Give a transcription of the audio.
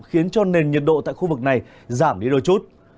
khiến cho nền nhiệt độ tại khu vực này giảm đi đôi chút